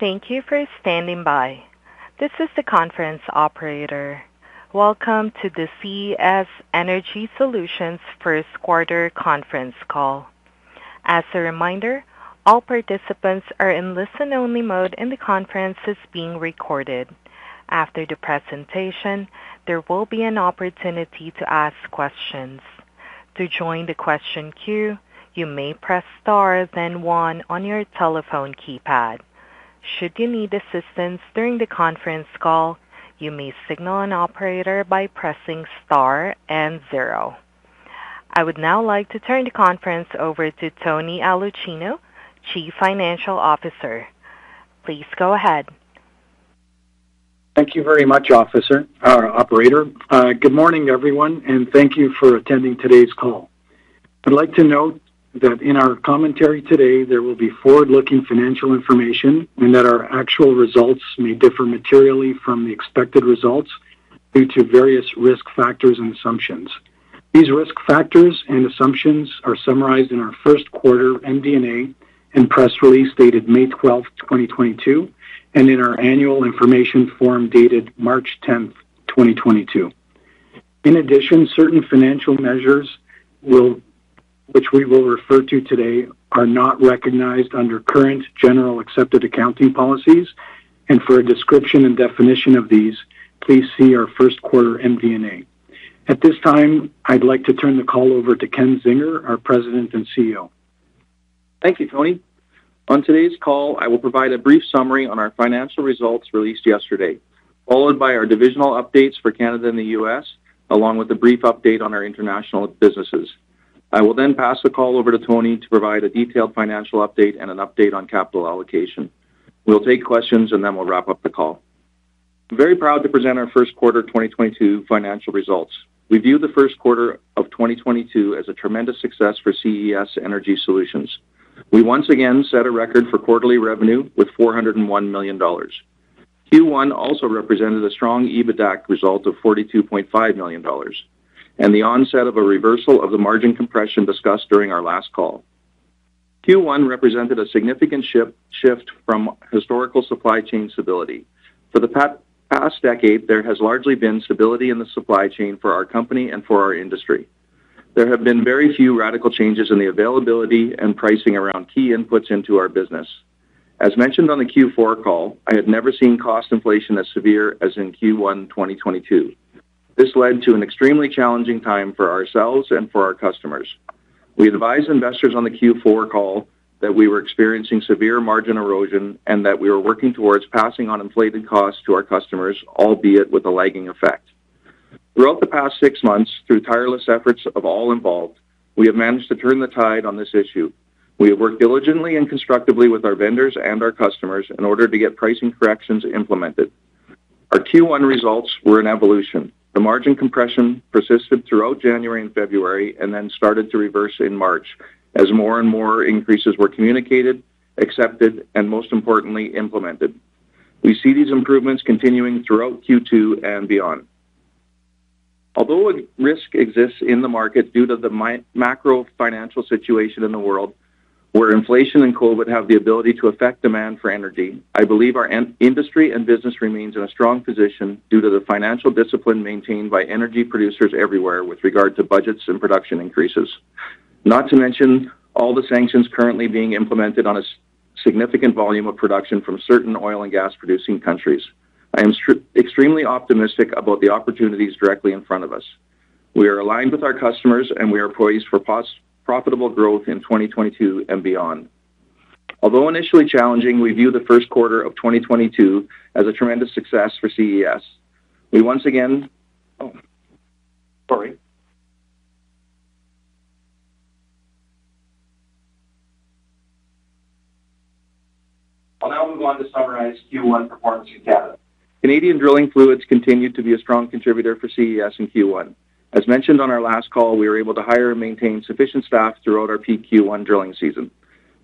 Thank you for standing by. This is the conference operator. Welcome to the CES Energy Solutions first quarter conference call. As a reminder, all participants are in listen-only mode, and the conference is being recorded. After the presentation, there will be an opportunity to ask questions. To join the question queue, you may press star then one on your telephone keypad. Should you need assistance during the conference call, you may signal an operator by pressing star and zero. I would now like to turn the conference over to Tony Aulicino, Chief Financial Officer. Please go ahead. Thank you very much, operator. Good morning, everyone, and thank you for attending today's call. I'd like to note that in our commentary today, there will be forward-looking financial information and that our actual results may differ materially from the expected results due to various risk factors and assumptions. These risk factors and assumptions are summarized in our first quarter MD&A and press release dated May 12, 2022, and in our annual information form dated March 10, 2022. In addition, certain financial measures which we will refer to today are not recognized under current generally accepted accounting principles, and for a description and definition of these, please see our first quarter MD&A. At this time, I'd like to turn the call over to Ken Zinger, our President and CEO. Thank you, Tony. On today's call, I will provide a brief summary on our financial results released yesterday, followed by our divisional updates for Canada and the U.S., along with a brief update on our international businesses. I will then pass the call over to Tony to provide a detailed financial update and an update on capital allocation. We'll take questions, and then we'll wrap up the call. I'm very proud to present our first quarter 2022 financial results. We view the first quarter of 2022 as a tremendous success for CES Energy Solutions. We once again set a record for quarterly revenue with 401 million dollars. Q1 also represented a strong EBITDA result of 42.5 million dollars and the onset of a reversal of the margin compression discussed during our last call. Q1 represented a significant shift from historical supply chain stability. For the past decade, there has largely been stability in the supply chain for our company and for our industry. There have been very few radical changes in the availability and pricing around key inputs into our business. As mentioned on the Q4 call, I have never seen cost inflation as severe as in Q1, 2022. This led to an extremely challenging time for ourselves and for our customers. We advised investors on the Q4 call that we were experiencing severe margin erosion, and that we were working towards passing on inflated costs to our customers, albeit with a lagging effect. Throughout the past six months, through tireless efforts of all involved, we have managed to turn the tide on this issue. We have worked diligently and constructively with our vendors and our customers in order to get pricing corrections implemented. Our Q1 results were an evolution. The margin compression persisted throughout January and February and then started to reverse in March as more and more increases were communicated, accepted, and most importantly, implemented. We see these improvements continuing throughout Q2 and beyond. Although a risk exists in the market due to the macro-financial situation in the world, where inflation and COVID have the ability to affect demand for energy, I believe our in-industry and business remains in a strong position due to the financial discipline maintained by energy producers everywhere with regard to budgets and production increases. Not to mention all the sanctions currently being implemented on a significant volume of production from certain oil and gas-producing countries. I am extremely optimistic about the opportunities directly in front of us. We are aligned with our customers, and we are poised for profitable growth in 2022 and beyond. Although initially challenging, we view the first quarter of 2022 as a tremendous success for CES. I'll now move on to summarize Q1 performance in Canada. Canadian drilling fluids continued to be a strong contributor for CES in Q1. As mentioned on our last call, we were able to hire and maintain sufficient staff throughout our peak Q1 drilling season.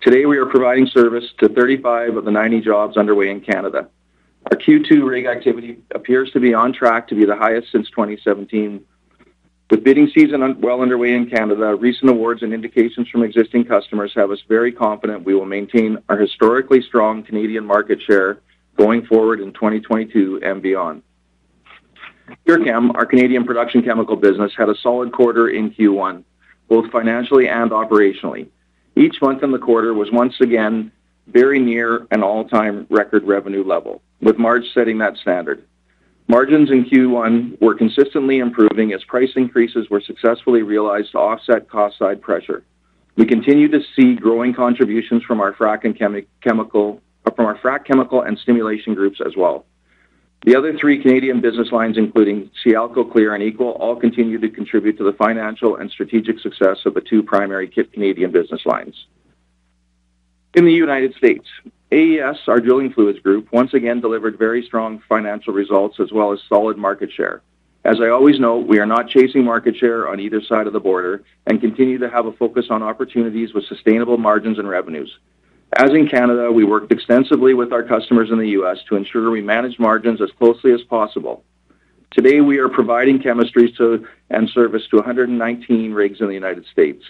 Today, we are providing service to 35 of the 90 jobs underway in Canada. Our Q2 rig activity appears to be on track to be the highest since 2017. The bidding season is well underway in Canada. Recent awards and indications from existing customers have us very confident we will maintain our historically strong Canadian market share going forward in 2022 and beyond. PureChem, our Canadian production chemical business, had a solid quarter in Q1, both financially and operationally. Each month in the quarter was once again very near an all-time record revenue level, with March setting that standard. Margins in Q1 were consistently improving as price increases were successfully realized to offset cost side pressure. We continue to see growing contributions from our frac chemical and stimulation groups as well. The other three Canadian business lines, including Sialco, CLEAR, and EQUAL, all continue to contribute to the financial and strategic success of the two primary Canadian business lines. In the United States, AES, our drilling fluids group, once again delivered very strong financial results as well as solid market share. As I always know, we are not chasing market share on either side of the border and continue to have a focus on opportunities with sustainable margins and revenues. As in Canada, we worked extensively with our customers in the U.S. to ensure we manage margins as closely as possible. Today, we are providing chemistries and service to 119 rigs in the United States.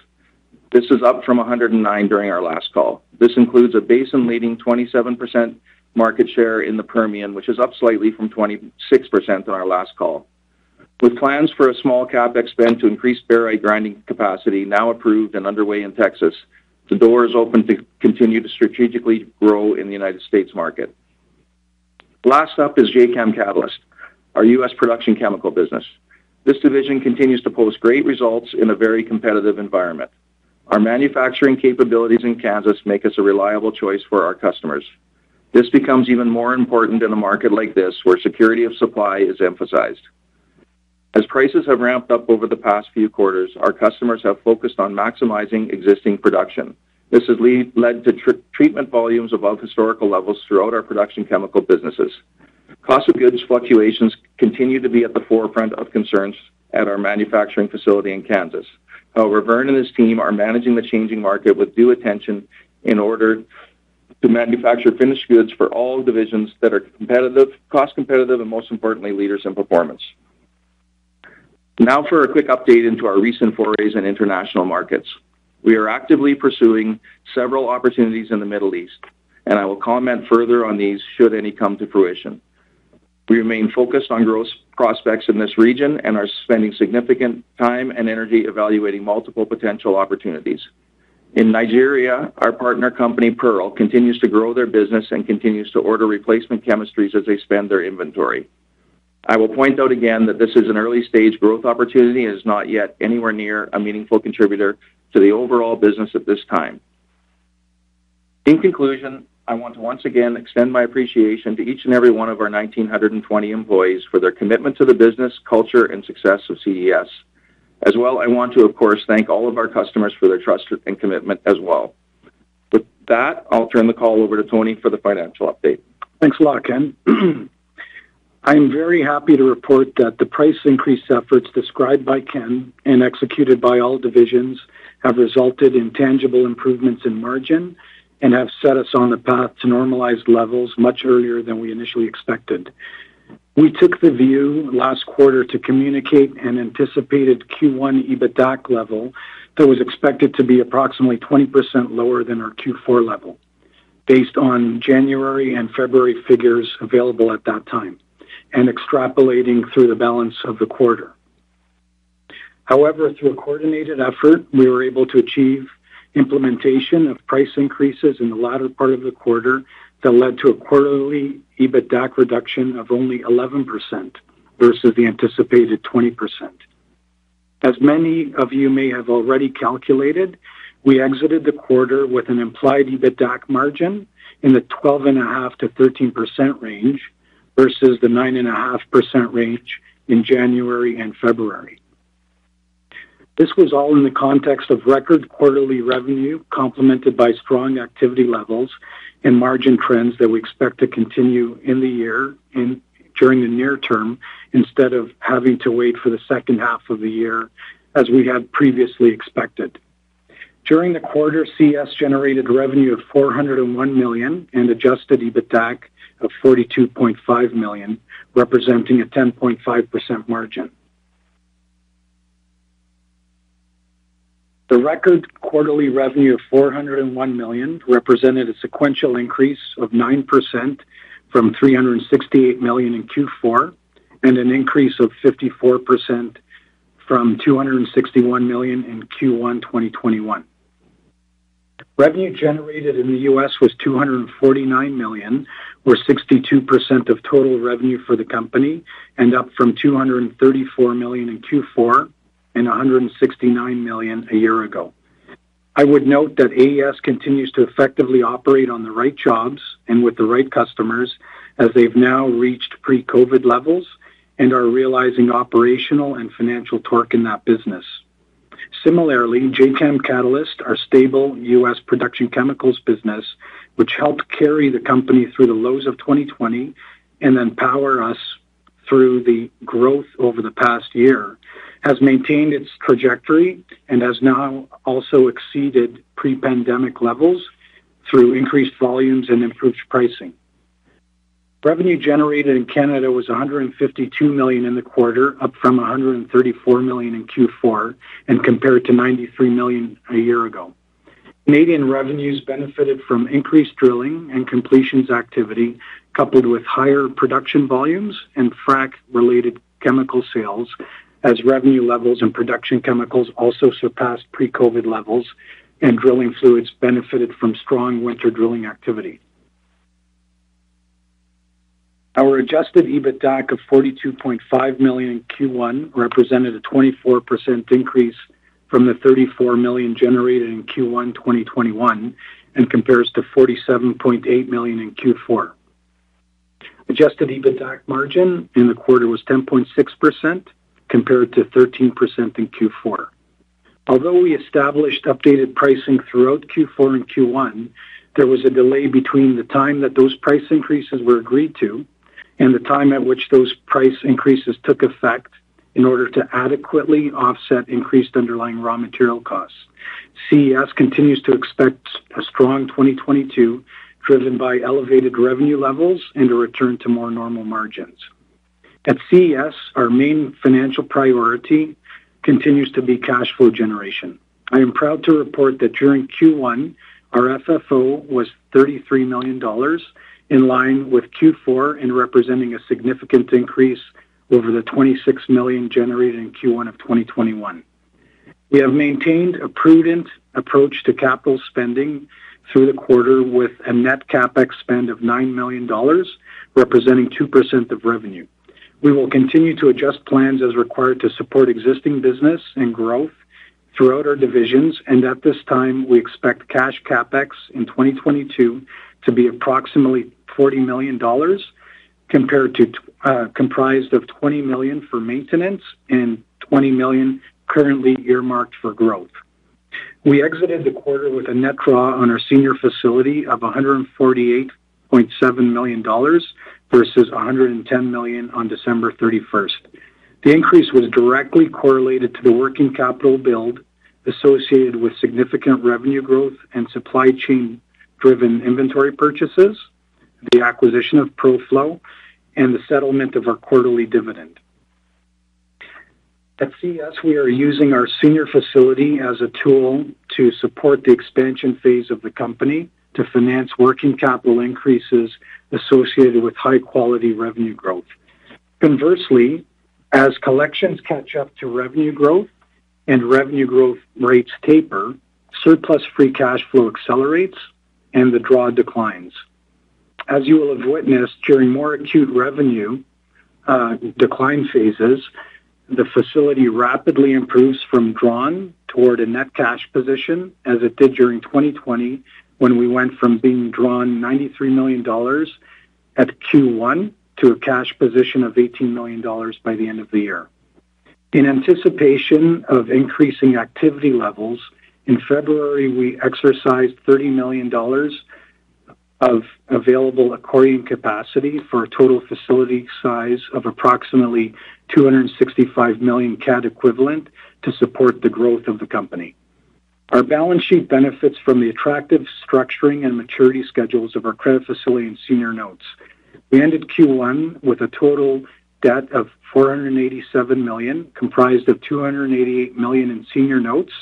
This is up from 109 during our last call. This includes a basin leading 27% market share in the Permian, which is up slightly from 26% on our last call. With plans for a small CapEx spend to increase barite grinding capacity now approved and underway in Texas, the door is open to continue to strategically grow in the United States market. Last up is Jacam Catalyst, our U.S. production chemical business. This division continues to post great results in a very competitive environment. Our manufacturing capabilities in Kansas make us a reliable choice for our customers. This becomes even more important in a market like this where security of supply is emphasized. As prices have ramped up over the past few quarters, our customers have focused on maximizing existing production. This has led to treatment volumes above historical levels throughout our production chemical businesses. Cost of goods fluctuations continue to be at the forefront of concerns at our manufacturing facility in Kansas. However, Vern and his team are managing the changing market with due attention in order to manufacture finished goods for all divisions that are cost competitive, and most importantly, leaders in performance. Now for a quick update into our recent forays in international markets. We are actively pursuing several opportunities in the Middle East, and I will comment further on these should any come to fruition. We remain focused on growth prospects in this region and are spending significant time and energy evaluating multiple potential opportunities. In Nigeria, our partner company, Pearl, continues to grow their business and continues to order replacement chemistries as they spend their inventory. I will point out again that this is an early-stage growth opportunity and is not yet anywhere near a meaningful contributor to the overall business at this time. In conclusion, I want to once again extend my appreciation to each and every one of our 1,920 employees for their commitment to the business, culture, and success of CES. I want to thank all of our customers for their trust and commitment as well. With that, I'll turn the call over to Tony for the financial update. Thanks a lot, Ken. I'm very happy to report that the price increase efforts described by Ken and executed by all divisions have resulted in tangible improvements in margin and have set us on the path to normalized levels much earlier than we initially expected. We took the view last quarter to communicate an anticipated Q1 EBITDA level that was expected to be approximately 20% lower than our Q4 level based on January and February figures available at that time and extrapolating through the balance of the quarter. However, through a coordinated effort, we were able to achieve implementation of price increases in the latter part of the quarter that led to a quarterly EBITDA reduction of only 11% versus the anticipated 20%. As many of you may have already calculated, we exited the quarter with an implied EBITDA margin in the 12.5%-13% range versus the 9.5% range in January and February. This was all in the context of record quarterly revenue complemented by strong activity levels and margin trends that we expect to continue in the year, during the near term instead of having to wait for the second half of the year as we had previously expected. During the quarter, CES generated revenue of 401 million and adjusted EBITDA of 42.5 million, representing a 10.5% margin. The record quarterly revenue of 401 million represented a sequential increase of 9% from 368 million in Q4 and an increase of 54% from 261 million in Q1 2021. Revenue generated in the US was $249 million, or 62% of total revenue for the company, and up from $234 million in Q4 and $169 million a year ago. I would note that AES continues to effectively operate on the right jobs and with the right customers as they've now reached pre-COVID levels and are realizing operational and financial torque in that business. Similarly, Jacam Catalyst, our stable US production chemicals business, which helped carry the company through the lows of 2020 and then power us through the growth over the past year, has maintained its trajectory and has now also exceeded pre-pandemic levels through increased volumes and improved pricing. Revenue generated in Canada was 152 million in the quarter, up from 134 million in Q4 and compared to 93 million a year ago. Canadian revenues benefited from increased drilling and completions activity, coupled with higher production volumes and frack-related chemical sales as revenue levels and production chemicals also surpassed pre-COVID levels, and drilling fluids benefited from strong winter drilling activity. Our adjusted EBITDA of 42.5 million in Q1 represented a 24% increase from the 34 million generated in Q1 2021 and compares to 47.8 million in Q4. Adjusted EBITDA margin in the quarter was 10.6% compared to 13% in Q4. Although we established updated pricing throughout Q4 and Q1, there was a delay between the time that those price increases were agreed to and the time at which those price increases took effect in order to adequately offset increased underlying raw material costs. CES continues to expect a strong 2022 driven by elevated revenue levels and a return to more normal margins. At CES, our main financial priority continues to be cash flow generation. I am proud to report that during Q1, our FFO was 33 million dollars, in line with Q4 in representing a significant increase over the 26 million generated in Q1 of 2021. We have maintained a prudent approach to capital spending through the quarter with a net CapEx spend of 9 million dollars, representing 2% of revenue. We will continue to adjust plans as required to support existing business and growth throughout our divisions. At this time, we expect cash CapEx in 2022 to be approximately $40 million, comprised of $20 million for maintenance and $20 million currently earmarked for growth. We exited the quarter with a net draw on our senior facility of $148.7 million versus $110 million on December 31. The increase was directly correlated to the working capital build associated with significant revenue growth and supply chain-driven inventory purchases, the acquisition of Proflow, and the settlement of our quarterly dividend. At CES, we are using our senior facility as a tool to support the expansion phase of the company to finance working capital increases associated with high-quality revenue growth. Conversely, as collections catch up to revenue growth and revenue growth rates taper, surplus free cash flow accelerates, and the draw declines. As you will have witnessed during more acute revenue decline phases, the facility rapidly improves from drawn toward a net cash position, as it did during 2020 when we went from being drawn 93 million dollars at Q1 to a cash position of 18 million dollars by the end of the year. In anticipation of increasing activity levels, in February, we exercised 30 million dollars of available accordion capacity for a total facility size of approximately 265 million CAD equivalent to support the growth of the company. Our balance sheet benefits from the attractive structuring and maturity schedules of our credit facility and senior notes. We ended Q1 with a total debt of 487 million, comprised of 288 million in senior notes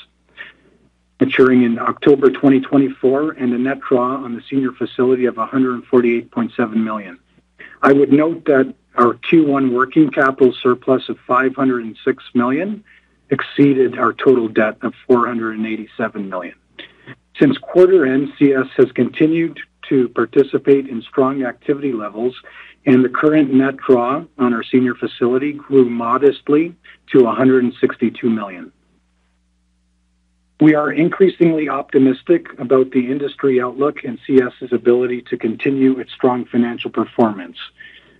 maturing in October 2024 and a net draw on the senior facility of 148.7 million. I would note that our Q1 working capital surplus of 506 million exceeded our total debt of 487 million. Since quarter end, CES has continued to participate in strong activity levels, and the current net draw on our senior facility grew modestly to 162 million. We are increasingly optimistic about the industry outlook and CES's ability to continue its strong financial performance.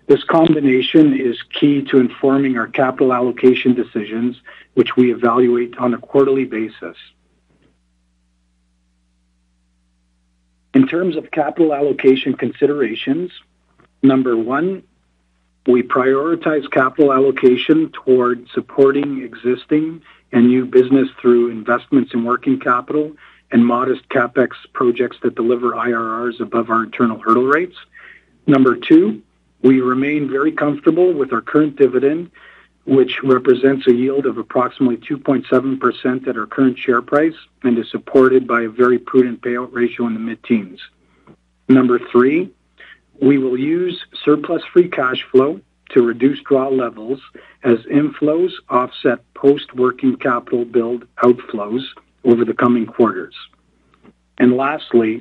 This combination is key to informing our capital allocation decisions, which we evaluate on a quarterly basis. In terms of capital allocation considerations, 1, we prioritize capital allocation towards supporting existing and new business through investments in working capital and modest CapEx projects that deliver IRRs above our internal hurdle rates. 2, we remain very comfortable with our current dividend, which represents a yield of approximately 2.7% at our current share price and is supported by a very prudent payout ratio in the mid-teens. 3, we will use surplus free cash flow to reduce draw levels as inflows offset post-working capital build outflows over the coming quarters. Lastly,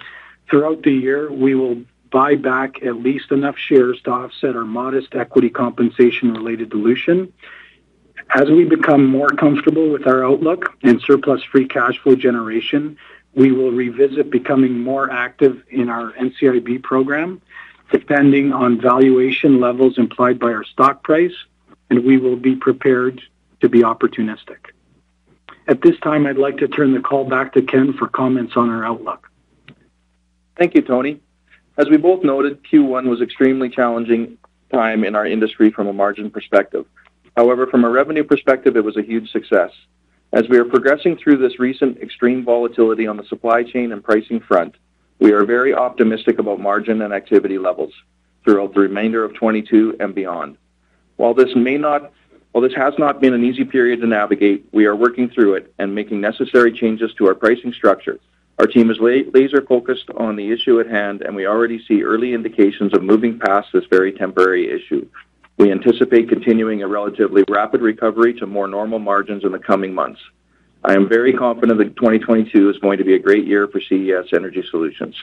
throughout the year, we will buy back at least enough shares to offset our modest equity compensation-related dilution. As we become more comfortable with our outlook and surplus free cash flow generation, we will revisit becoming more active in our NCIB program, depending on valuation levels implied by our stock price, and we will be prepared to be opportunistic. At this time, I'd like to turn the call back to Ken for comments on our outlook. Thank you, Tony. As we both noted, Q1 was extremely challenging time in our industry from a margin perspective. However, from a revenue perspective, it was a huge success. As we are progressing through this recent extreme volatility on the supply chain and pricing front, we are very optimistic about margin and activity levels throughout the remainder of 2022 and beyond. While this has not been an easy period to navigate, we are working through it and making necessary changes to our pricing structure. Our team is laser focused on the issue at hand, and we already see early indications of moving past this very temporary issue. We anticipate continuing a relatively rapid recovery to more normal margins in the coming months. I am very confident that 2022 is going to be a great year for CES Energy Solutions.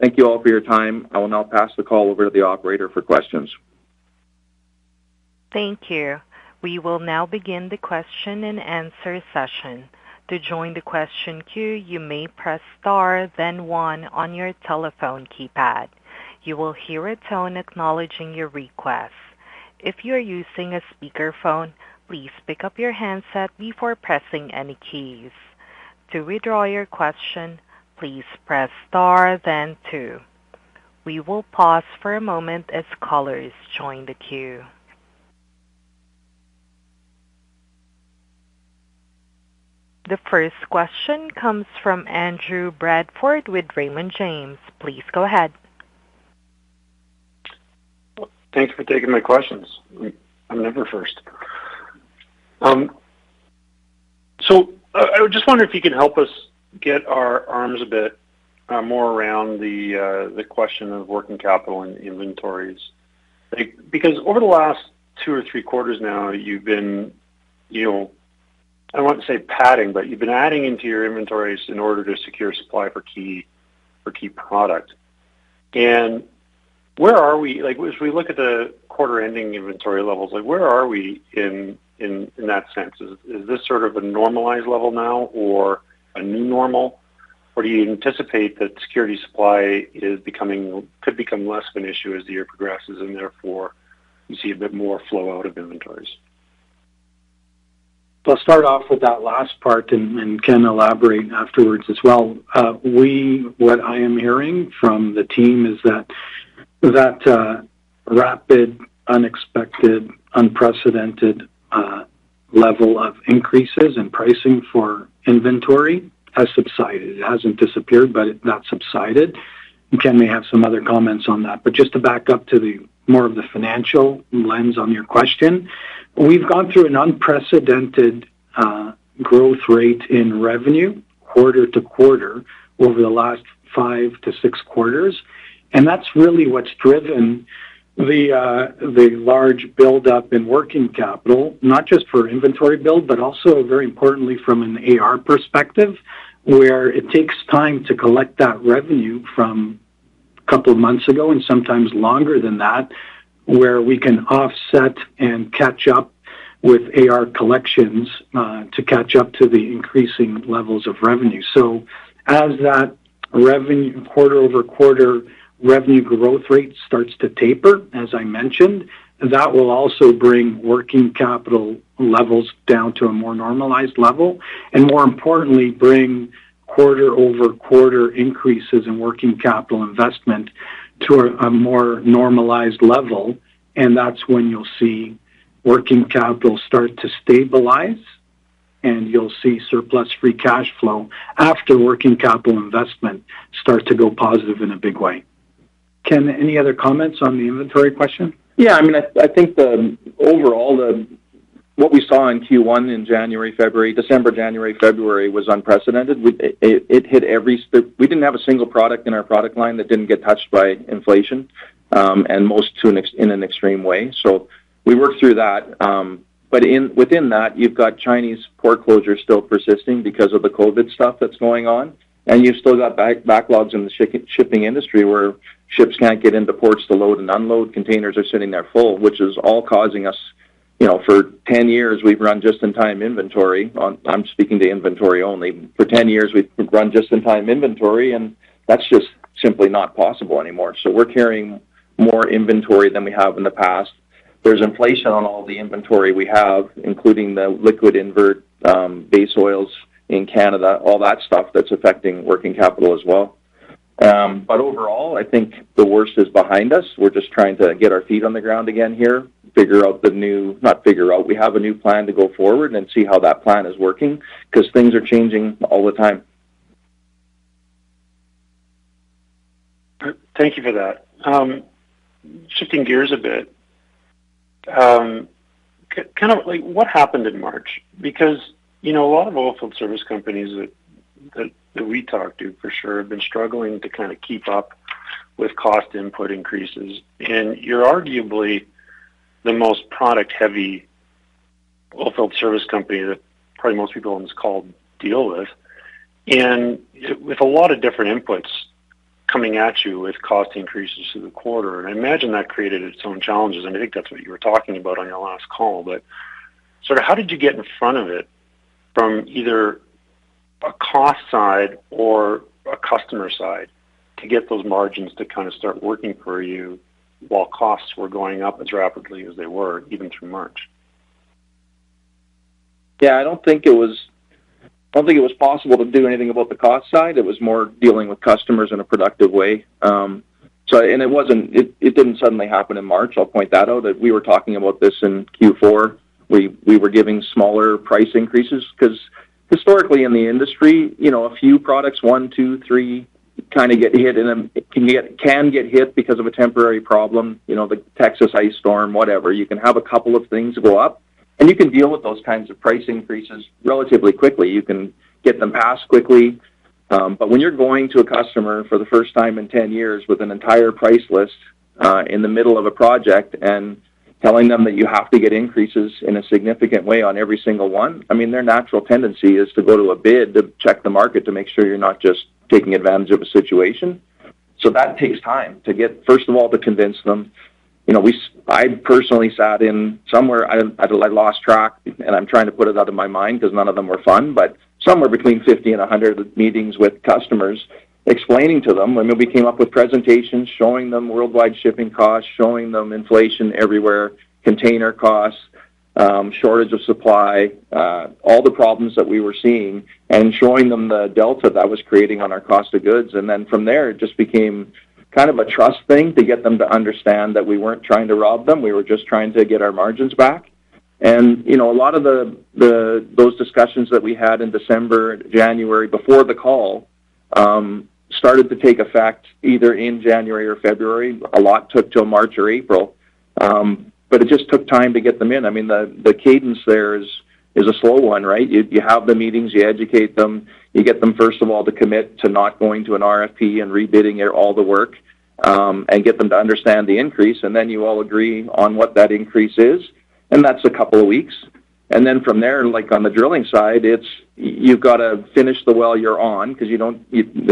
Thank you all for your time. I will now pass the call over to the operator for questions. Thank you. We will now begin the question-and-answer session. To join the question queue, you may press star then one on your telephone keypad. You will hear a tone acknowledging your request. If you are using a speakerphone, please pick up your handset before pressing any keys. To withdraw your question, please press star then two. We will pause for a moment as callers join the queue. The first question comes from Andrew Bradford with Raymond James. Please go ahead. Thanks for taking my questions. I'm never first. I just wonder if you can help us get our arms a bit more around the question of working capital and inventories. Because over the last two or three quarters now, you've been I don't want to say padding, but you've been adding into your inventories in order to secure supply for key product. Where are we? Like, as we look at the quarter-ending inventory levels, like, where are we in that sense? Is this a normalized level now or a new normal? Or do you anticipate that security supply could become less of an issue as the year progresses, and therefore you see a bit more flow out of inventories? I'll start off with that last part and Ken elaborate afterwards as well. What I am hearing from the team is that rapid, unexpected, unprecedented level of increases in pricing for inventory has subsided. It hasn't disappeared, but that subsided. Ken may have some other comments on that. Just to back up to the more of the financial lens on your question, we've gone through an unprecedented growth rate in revenue quarter-over-quarter over the last 5-6 quarters, and that's really what's driven the large buildup in working capital, not just for inventory build, but also very importantly from an AR perspective, where it takes time to collect that revenue from a couple of months ago and sometimes longer than that, where we can offset and catch up with AR collections to catch up to the increasing levels of revenue. As that revenue quarter-over-quarter revenue growth rate starts to taper, as I mentioned, that will also bring working capital levels down to a more normalized level, and more importantly, bring quarter-over-quarter increases in working capital investment to a more normalized level. That's when you'll see working capital start to stabilize, and you'll see surplus free cash flow after working capital investment start to go positive in a big way. Ken, any other comments on the inventory question? Yeah. I think overall, what we saw in Q1 in January, February, December, January, February was unprecedented. We didn't have a single product in our product line that didn't get touched by inflation, and most in an extreme way. We worked through that. But within that, you've got Chinese port closures still persisting because of the COVID stuff that's going on, and you've still got backlogs in the shipping industry where ships can't get into ports to load and unload. Containers are sitting there full, which is all causing us for 10 years, we've run just-in-time inventory. I'm speaking to inventory only. For 10 years, we've run just-in-time inventory, and that's just simply not possible anymore. We're carrying more inventory than we have in the past. There's inflation on all the inventory we have, including the liquid invert, base oils in Canada, all that stuff that's affecting working capital as well. Overall, I think the worst is behind us. We're just trying to get our feet on the ground again here. We have a new plan to go forward and see how that plan is working because things are changing all the time. Thank you for that. Shifting gears a bit like what happened in March? Because, a lot of oilfield service companies that we talk to for sure have been struggling to keep up with cost input increases, and you're arguably the most product-heavy oilfield service company that probably most people on this call deal with. With a lot of different inputs coming at you with cost increases through the quarter, and I imagine that created its own challenges, and I think that's what you were talking about on your last call. How did you get in front of it from either a cost side or a customer side to get those margins to start working for you while costs were going up as rapidly as they were, even through March? Yeah. I don't think it was possible to do anything about the cost side. It was more dealing with customers in a productive way. It didn't suddenly happen in March. I'll point that out, that we were talking about this in Q4. We were giving smaller price increases because historically in the industry a few products, one, two, three, kind of get hit, and then can get hit because of a temporary problem the Texas ice storm, whatever. You can have a couple of things go up, and you can deal with those kinds of price increases relatively quickly. You can get them passed quickly. When you're going to a customer for the first time in 10 years with an entire price list, in the middle of a project and telling them that you have to get increases in a significant way on every single one, their natural tendency is to go to a bid to check the market to make sure you're not just taking advantage of a situation. That takes time to get, first of all, to convince them. I personally sat in somewhere, I lost track, and I'm trying to put it out of my mind because none of them were fun, but somewhere between 50 and 100 meetings with customers explaining to them. We came up with presentations showing them worldwide shipping costs, showing them inflation everywhere, container costs, shortage of supply, all the problems that we were seeing, and showing them the delta that was creating on our cost of goods. From there, it just became a trust thing to get them to understand that we weren't trying to rob them, we were just trying to get our margins back. A lot of those discussions that we had in December, January, before the call, started to take effect either in January or February. A lot took till March or April, but it just took time to get them in. The cadence there is a slow one. You have the meetings, you educate them, you get them, first of all, to commit to not going to an RFP and rebidding all the work, and get them to understand the increase. You all agree on what that increase is, and that's a couple of weeks. From there, like on the drilling side, it's, you've got to finish the well you're on because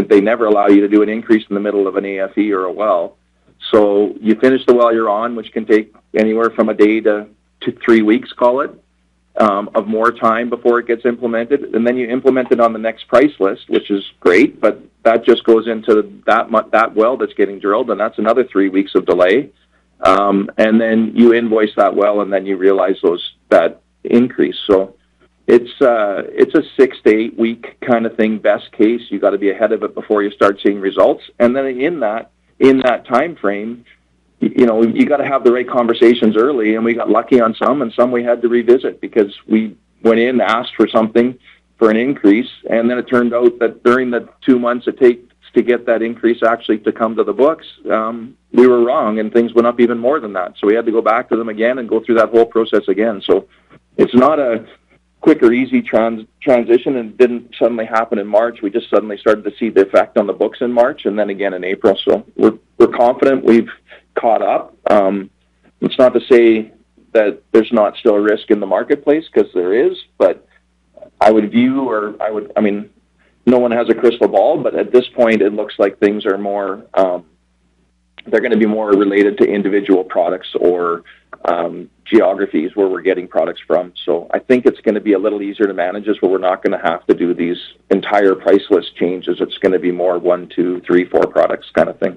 they never allow you to do an increase in the middle of an AFE or a well. You finish the well you're on, which can take anywhere from a day to three weeks, call it, of more time before it gets implemented. You implement it on the next price list, which is great, but that just goes into that well that's getting drilled, and that's another three weeks of delay. You invoice that well, and then you realize that increase. It's a 6-8 week thing. Best case, you got to be ahead of it before you start seeing results. In that time frame, you gotta have the right conversations early. We got lucky on some, and some we had to revisit because we went in, asked for something for an increase. It turned out that during the 2 months it takes to get that increase actually to come to the books, we were wrong, and things went up even more than that. We had to go back to them again and go through that whole process again. It's not a quick or easy transition, and it didn't suddenly happen in March. We just suddenly started to see the effect on the books in March and then again in April. We're confident we've caught up. It's not to say that there's not still a risk in the marketplace, 'cause there is. No one has a crystal ball, but at this point it looks like things are more, they're gonna be more related to individual products or, geographies where we're getting products from. I think it's gonna be a little easier to manage this, but we're not gonna have to do these entire price list changes. It's gonna be more one, two, three, four products kind of thing.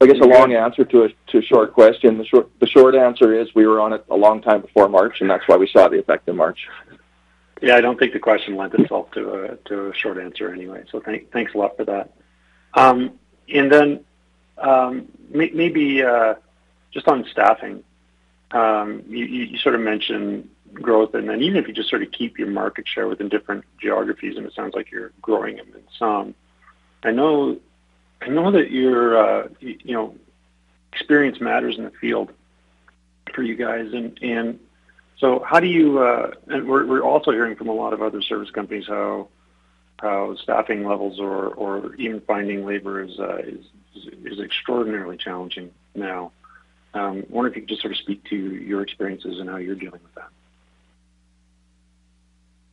I guess a long answer to a short question. The short answer is we were on it a long time before March, and that's why we saw the effect in March. Yeah, I don't think the question lent itself to a short answer anyway. Thanks a lot for that. Then maybe just on staffing, you mentioned growth and then even if you just keep your market share within different geographies, and it sounds like you're growing them in some. I know that you're experience matters in the field for you guys. How do you, and we're also hearing from a lot of other service companies how staffing levels or even finding labor is extraordinarily challenging now. Wonder if you could just speak to your experiences and how you're dealing with that.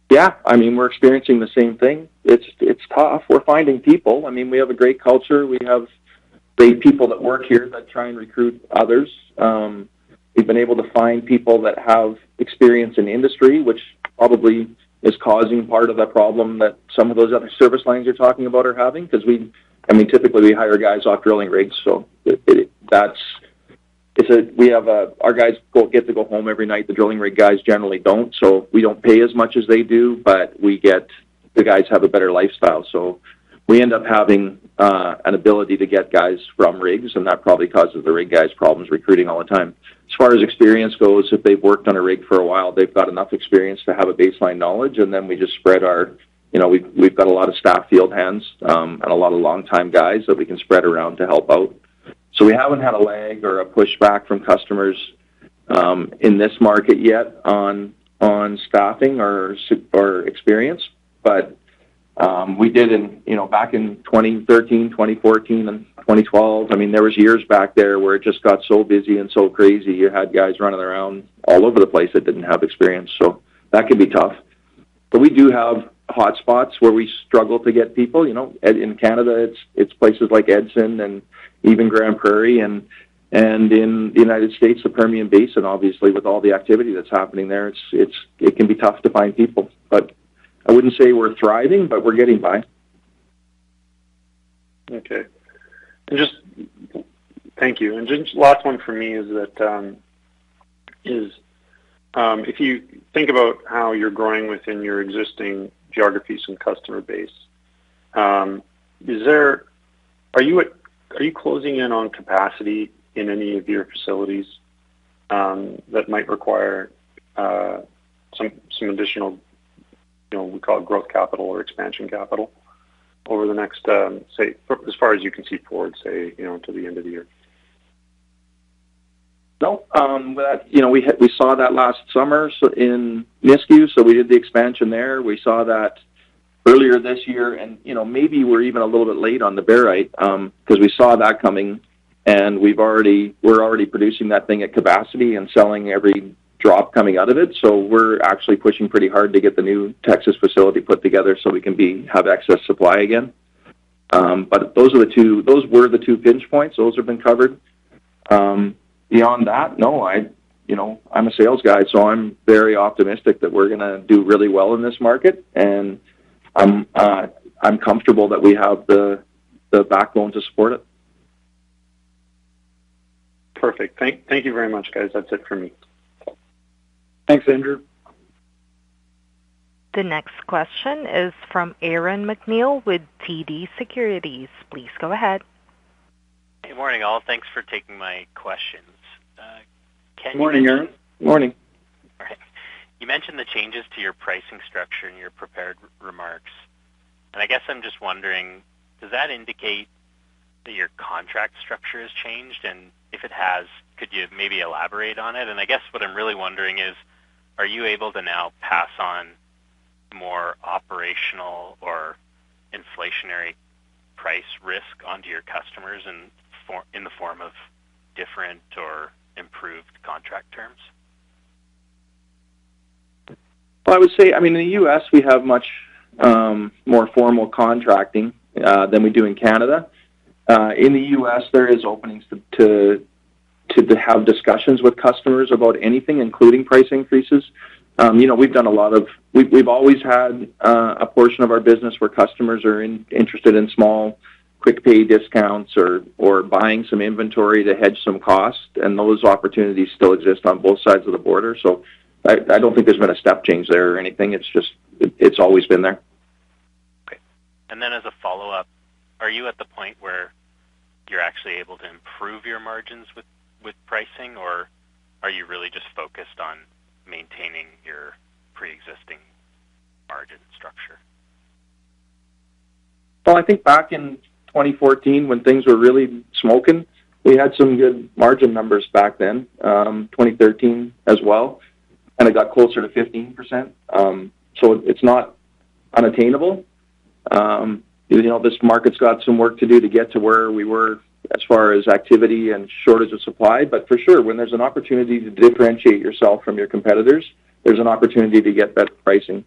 Yeah. We're experiencing the same thing. It's tough. We're finding people. We have a great culture. We have great people that work here that try and recruit others. We've been able to find people that have experience in industry, which probably is causing part of the problem that some of those other service lines you're talking about are having, because, we hire guys off drilling rigs. Our guys get to go home every night. The drilling rig guys generally don't. So we don't pay as much as they do, but we get the guys have a better lifestyle. So we end up having an ability to get guys from rigs, and that probably causes the rig guys problems recruiting all the time. As far as experience goes, if they've worked on a rig for a while, they've got enough experience to have a baseline knowledge, and then we just spread our, we've got a lot of staff field hands, and a lot of longtime guys that we can spread around to help out. We haven't had a lag or a pushback from customers, in this market yet on staffing or experience. We did back in 2013, 2014 and 2012. There was years back there where it just got so busy and so crazy. You had guys running around all over the place that didn't have experience. That can be tough. We do have hotspots where we struggle to get people. In Canada it's places like Edson and even Grande Prairie. In the United States, the Permian Basin, obviously, with all the activity that's happening there, it can be tough to find people. I wouldn't say we're thriving, but we're getting by. Thank you. Just last one for me is that if you think about how you're growing within your existing geographies and customer base, are you closing in on capacity in any of your facilities that might require some additional we call it growth capital or expansion capital over the next, say, as far as you can see forward, say to the end of the year? No. That we saw that last summer so in Nisku, so we did the expansion there. We saw that earlier this year and maybe we're even a little bit late on the barite, 'cause we saw that coming, and we're already producing that thing at capacity and selling every drop coming out of it. So we're actually pushing pretty hard to get the new Texas facility put together so we can have excess supply again. But those were the two pinch points. Those have been covered. Beyond that, no, I'm a sales guy, so I'm very optimistic that we're gonna do really well in this market. I'm comfortable that we have the backbone to support it. Perfect. Thank you very much, guys. That's it for me. Thanks, Andrew. The next question is from Aaron MacNeil with TD Securities. Please go ahead. Good morning, all. Thanks for taking my questions. Can you- Morning, Aaron. Morning. All right. You mentioned the changes to your pricing structure in your prepared remarks. I'm just wondering, does that indicate that your contract structure has changed? If it has, could you maybe elaborate on it? What I'm really wondering is, are you able to now pass on more operational or inflationary price risk onto your customers in the form of different or improved contract terms? I would say, in the US, we have much more formal contracting than we do in Canada. In the US, there is openings to have discussions with customers about anything, including price increases. We've always had a portion of our business where customers are interested in small quick pay discounts or buying some inventory to hedge some cost, and those opportunities still exist on both sides of the border. I don't think there's been a step change there or anything. It's just, it's always been there. Okay. As a follow-up, are you at the point where you're actually able to improve your margins with pricing, or are you really just focused on maintaining your pre-existing margin structure? I think back in 2014 when things were really smoking, we had some good margin numbers back then, 2013 as well, and it got closer to 15%. It's not unattainable. This market's got some work to do to get to where we were as far as activity and shortage of supply. For sure, when there's an opportunity to differentiate yourself from your competitors, there's an opportunity to get better pricing.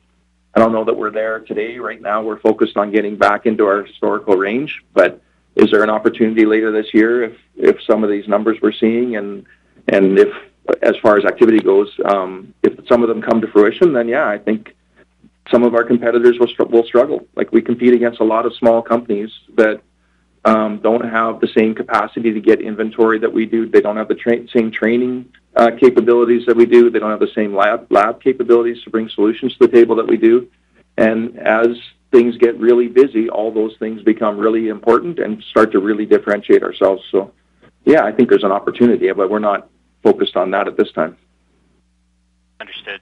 I don't know that we're there today. Right now, we're focused on getting back into our historical range. Is there an opportunity later this year if some of these numbers we're seeing and if as far as activity goes, if some of them come to fruition, then yeah, I think some of our competitors will struggle. Like, we compete against a lot of small companies that don't have the same capacity to get inventory that we do. They don't have the same training capabilities that we do. They don't have the same lab capabilities to bring solutions to the table that we do. As things get really busy, all those things become really important and start to really differentiate ourselves. Yeah, I think there's an opportunity, but we're not focused on that at this time. Understood.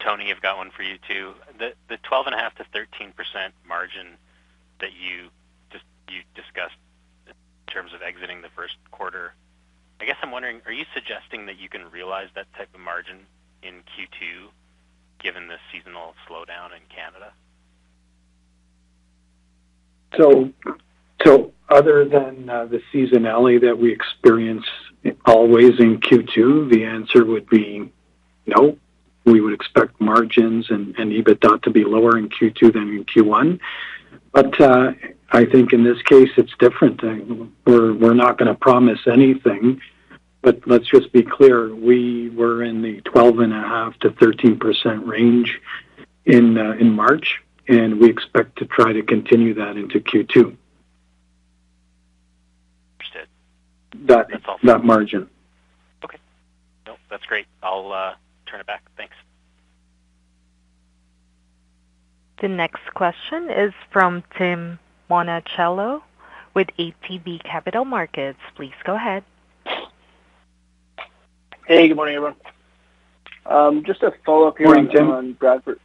Tony, I've got one for you, too. The 12.5%-13% margin that you just discussed in terms of exiting the first quarter, I'm wondering, are you suggesting that you can realize that type of margin in Q2 given the seasonal slowdown in Canada? Other than the seasonality that we experience always in Q2, the answer would be no. We would expect margins and EBITDA to be lower in Q2 than in Q1. I think in this case it's different. We're not gonna promise anything, but let's just be clear, we were in the 12.5%-13% range in March, and we expect to try to continue that into Q2. Understood. That- That's all. That margin. Okay. No, that's great. I'll turn it back. Thanks. The next question is from Tim Monachello with ATB Capital Markets. Please go ahead. Good morning, everyone. Just a follow-up here. Morning, Tim. On Bradford.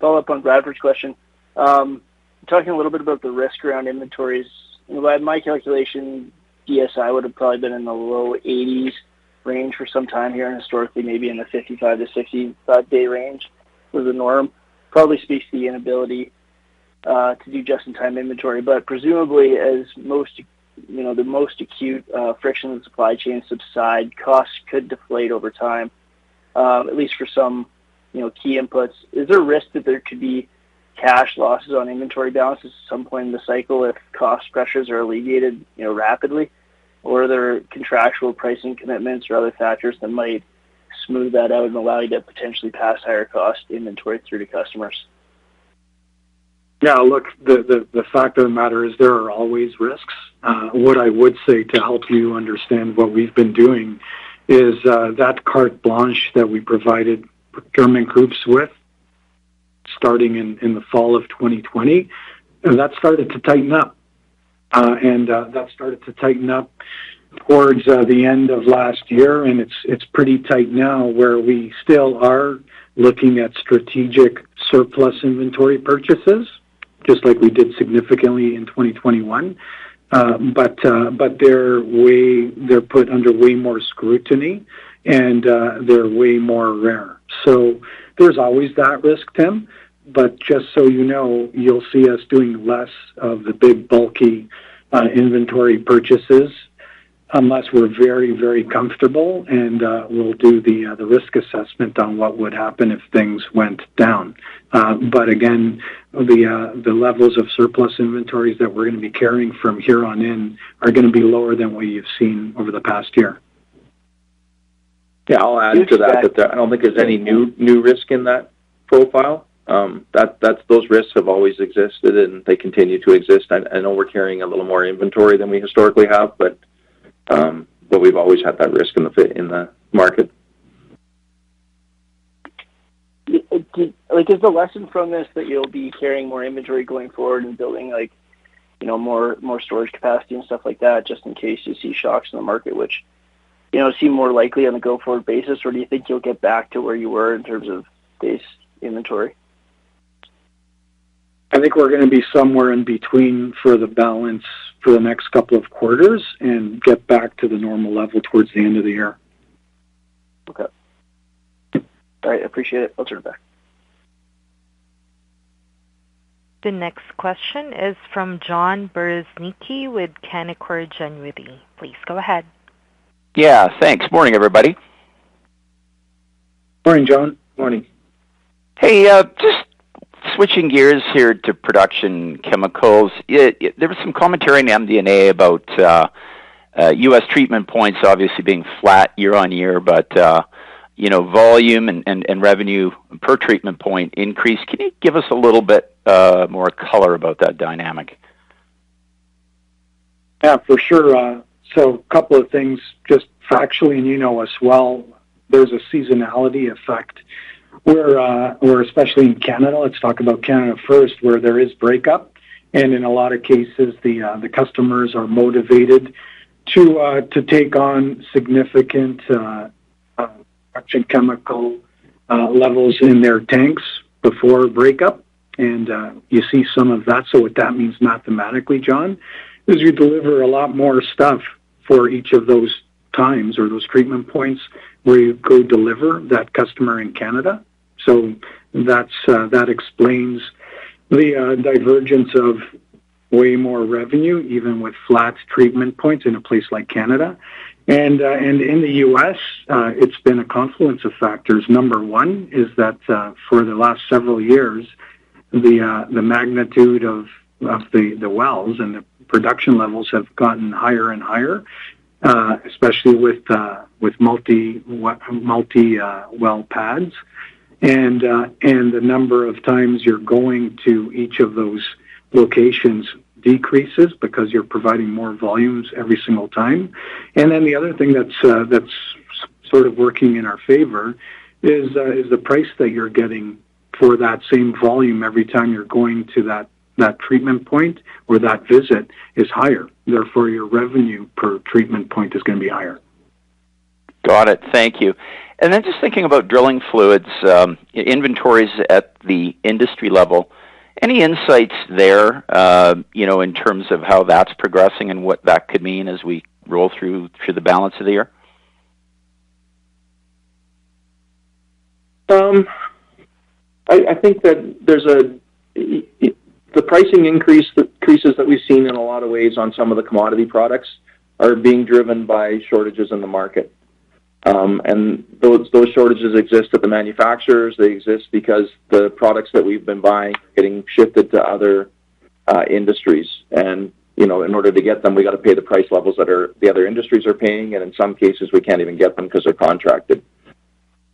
Follow up on Bradford's question. Talking a little bit about the risk around inventories. By my calculation, DSI would have probably been in the low 80s range for some time here, and historically maybe in the 55-65-day range was the norm. Probably speaks to the inability to do just in time inventory. Presumably as most the most acute friction in supply chain subsides, costs could deflate over time, at least for some key inputs. Is there a risk that there could be cash losses on inventory balances at some point in the cycle if cost pressures are alleviated rapidly? Or are there contractual pricing commitments or other factors that might smooth that out and allow you to potentially pass higher cost inventory through to customers? Yeah. Look, the fact of the matter is there are always risks. What I would say to help you understand what we've been doing is that carte blanche that we provided procurement groups with starting in the fall of 2020, that started to tighten up. That started to tighten up towards the end of last year, and it's pretty tight now where we still are looking at strategic surplus inventory purchases just like we did significantly in 2021. But they're put under way more scrutiny, and they're way more rare. There's always that risk, Tim. You'll see us doing less of the big, bulky inventory purchases unless we're very, very comfortable, and we'll do the risk assessment on what would happen if things went down. Again, the levels of surplus inventories that we're gonna be carrying from here on in are gonna be lower than what you've seen over the past year. Yeah, I'll add to that, but I don't think there's any new risk in that profile. Those risks have always existed, and they continue to exist. I know we're carrying a little more inventory than we historically have, but we've always had that risk in the market. Like, is the lesson from this that you'll be carrying more inventory going forward and building like more storage capacity and stuff like that, just in case you see shocks in the market, which seem more likely on a go-forward basis? Or do you think you'll get back to where you were in terms of base inventory? I think we're gonna be somewhere in between for the balance of the next couple of quarters and get back to the normal level towards the end of the year. Okay. All right, appreciate it. I'll turn it back. The next question is from John Bereznicki with Canaccord Genuity. Please go ahead. Yeah, thanks. Morning, everybody. Morning, John. Morning. Just switching gears here to production chemicals. There was some commentary in MD&A about U.S. treatment points obviously being flat year-over-year, but volume and revenue per treatment point increased. Can you give us a little bit more color about that dynamic? Yeah, for sure. Couple of things just factually, and us well. There's a seasonality effect where especially in Canada, let's talk about Canada first, where there is breakup, and in a lot of cases the customers are motivated to take on significant production chemical levels in their tanks before breakup. You see some of that. What that means mathematically, John, is you deliver a lot more stuff for each of those times or those treatment points where you go deliver that customer in Canada. That explains the divergence of way more revenue, even with flat treatment points in a place like Canada. In the US, it's been a confluence of factors. Number 1 is that for the last several years the magnitude of the wells and the production levels have gotten higher and higher especially with multi-well pads. The number of times you're going to each of those locations decreases because you're providing more volumes every single time. Then the other thing that's working in our favor is the price that you're getting for that same volume every time you're going to that treatment point where that visit is higher, therefore your revenue per treatment point is gonna be higher. Got it. Thank you. Then just thinking about drilling fluids, inventories at the industry level, any insights there in terms of how that's progressing and what that could mean as we roll through to the balance of the year? I think that the pricing increases that we've seen in a lot of ways on some of the commodity products are being driven by shortages in the market. Those shortages exist at the manufacturers. They exist because the products that we've been buying are getting shifted to other industries. In order to get them, we got to pay the price levels that the other industries are paying, and in some cases, we can't even get them because they're contracted.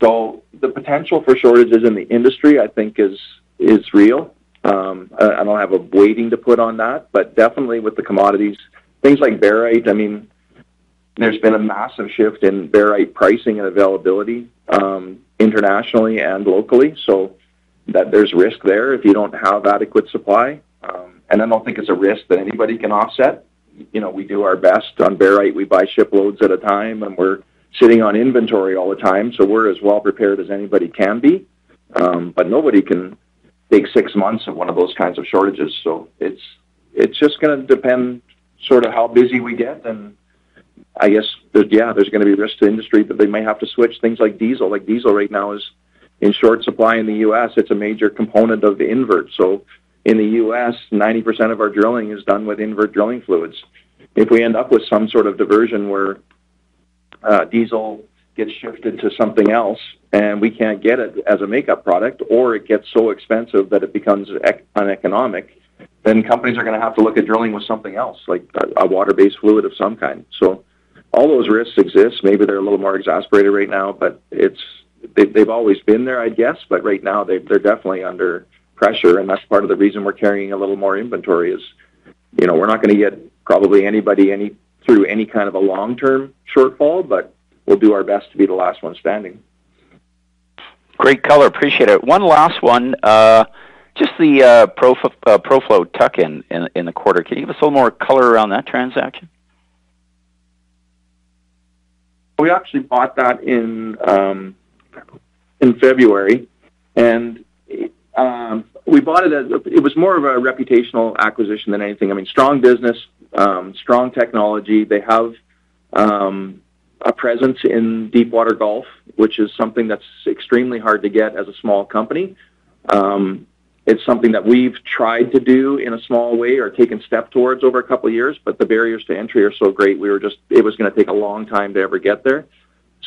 The potential for shortages in the industry, I think, is real. I don't have a weighting to put on that, but definitely with the commodities, things like barite, there's been a massive shift in barite pricing and availability, internationally and locally, so that there's risk there if you don't have adequate supply. I don't think it's a risk that anybody can offset. We do our best on barite. We buy shiploads at a time, and we're sitting on inventory all the time, so we're as well prepared as anybody can be. Nobody can take six months of one of those kinds of shortages. It's just gonna depend how busy we get. There's gonna be risk to industry, but they may have to switch things like diesel. Like, diesel right now is in short supply in the U.S. It's a major component of the invert. In the U.S., 90% of our drilling is done with invert drilling fluids. If we end up with some diversion where diesel gets shifted to something else, and we can't get it as a makeup product, or it gets so expensive that it becomes uneconomic, then companies are gonna have to look at drilling with something else, like a water-based fluid of some kind. All those risks exist. Maybe they're a little more exasperated right now, but they've always been there. Right now they're definitely under pressure, and that's part of the reason we're carrying a little more inventory is we're not gonna get probably anybody through any kind of a long-term shortfall, but we'll do our best to be the last one standing. Great color. Appreciate it. One last one. Just the Proflow tuck-in in the quarter. Can you give us a little more color around that transaction? We actually bought that in February. It was more of a reputational acquisition than anything. Strong business, strong technology. They have a presence in Deepwater Gulf, which is something that's extremely hard to get as a small company. It's something that we've tried to do in a small way or taken steps towards over a couple of years, but the barriers to entry are so great. It was gonna take a long time to ever get there.